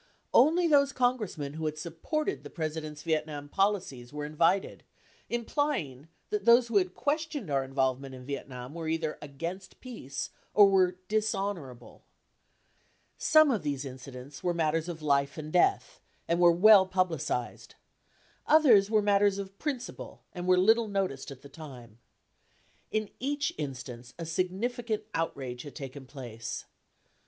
Only those Congressmen who had supported the President's Vietnam policies were invited, implying that those who had questioned our involve ment in Vietnam were either against peace or w T ere dishonorable. Some of these incidents were matters of life and death and were well publicized. Others were matters of principle and were little noticed at the time. In each instance a significant outrage had taken place.